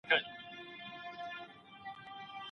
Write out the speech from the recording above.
موږ د اوږده اتڼ لپاره ولي ډوډۍ راوړي وه؟